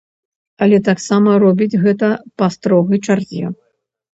Але таксама робіць гэта па строгай чарзе.